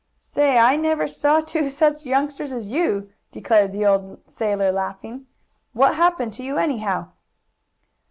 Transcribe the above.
"Say, I never see two such youngsters as you!" declared the old sailor, laughing. "What happened to you, anyhow?"